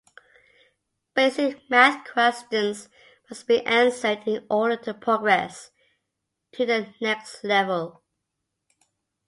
Basic math questions must be answered in order to progress to the next level.